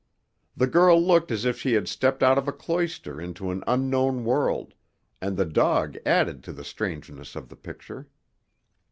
The girl looked as if she had stepped out of a cloister into an unknown world, and the dog added to the strangeness of the picture.